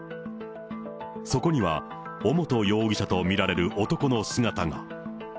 そこには尾本容疑者と見られる男の姿が。